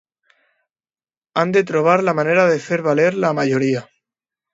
Han de trobar la manera de fer valer la majoria.